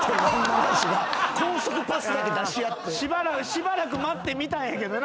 しばらく待ってみたんやけどな。